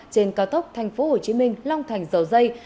trên cao tốc tp hcm long thành dầu dây